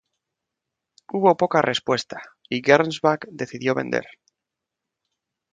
Hubo poca respuesta, y Gernsback decidió vender.